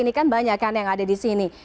ini kan banyak kan yang ada di sini